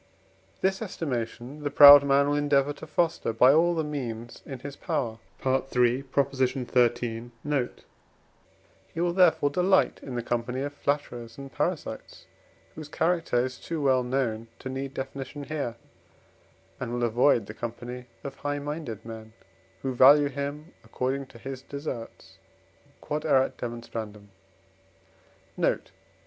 this estimation the proud man will endeavour to foster by all the means in his power (III. xiii. note); he will therefore delight in the company of flatterers and parasites (whose character is too well known to need definition here), and will avoid the company of high minded men, who value him according to his deserts. Q.E.D. Note.